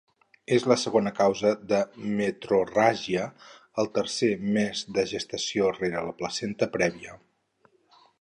És la segona causa de metrorràgia el tercer mes de gestació rere la placenta prèvia.